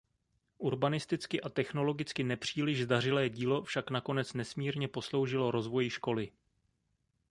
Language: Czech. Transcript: Urbanisticky a technologicky nepříliš zdařilé dílo však nakonec nesmírně posloužilo rozvoji školy.